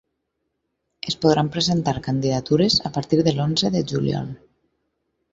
Es podran presentar candidatures a partir de l’onze de juliol.